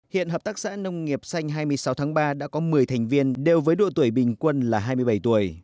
hiện hợp tác xã nông nghiệp xanh hai mươi sáu tháng ba đã có một mươi thành viên đều với độ tuổi bình quân là hai mươi bảy tuổi